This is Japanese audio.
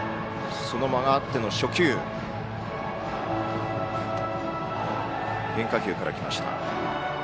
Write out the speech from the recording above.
その間があっての初球は変化球から来ました。